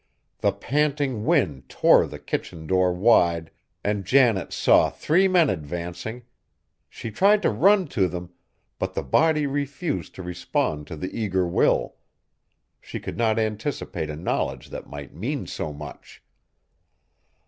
The panting wind tore the kitchen door wide, and Janet saw three men advancing! She tried to run to them, but the body refused to respond to the eager will. She could not anticipate a knowledge that might mean so much!